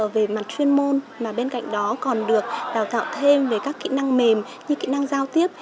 về mặt chuyên môn mà bên cạnh đó còn được đào tạo thêm về các kỹ năng mềm như kỹ năng giao tiếp